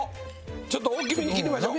ちょっと大きめに切りましょう。